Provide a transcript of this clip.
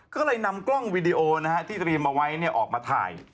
ก็เลยนำกล้องวีดีโอที่เตรียมเอาไว้ออกมาถ่าย